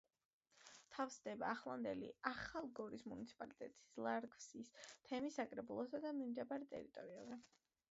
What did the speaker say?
თავსდება ახლანდელი ახალგორის მუნიციპალიტეტის ლარგვისის თემის საკრებულოსა და მიმდებარე ტერიტორიაზე.